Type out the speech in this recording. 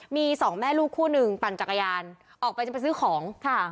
มีสองแม่ลูกคู่หนึ่งปั่นจักรยานออกไปจะไปซื้อของค่ะ